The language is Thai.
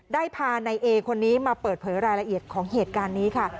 ได้พานายเอคนนี้มาเปิดเผยรายละเอียดของเหตุการณ์นี้ค่ะ